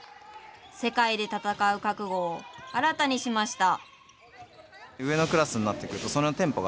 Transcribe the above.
世界で戦う覚悟を新たにしました。